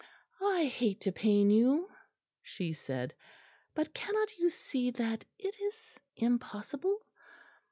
"I hate to pain you," she said, "but cannot you see that it is impossible?